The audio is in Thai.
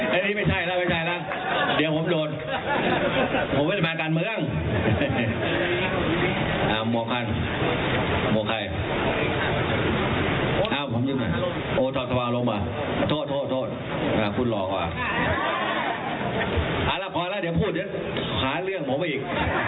พอแล้วพอแล้วเดี๋ยวพูดเดี๋ยวหาเรื่องผมไปอีก